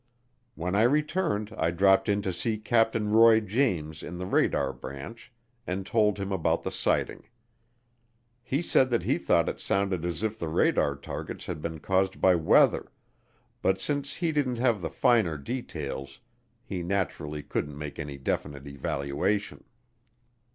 When I returned I dropped in to see Captain Roy James in the radar branch and told him about the sighting. He said that he thought it sounded as if the radar targets had been caused by weather but since he didn't have the finer details he naturally couldn't make any definite evaluation.